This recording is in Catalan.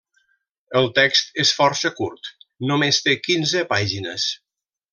El text és força curt, només té quinze pàgines.